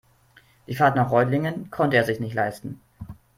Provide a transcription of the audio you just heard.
Die Fahrt nach Reutlingen konnte er sich nicht leisten